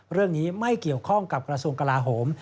เรื่องนี้ไม่เกี่ยวข้องกับกระทรวงกลาโหม